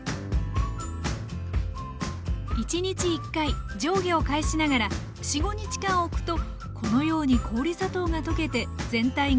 １日１回上下を返しながら４５日間おくとこのように氷砂糖が溶けて全体が赤くなります。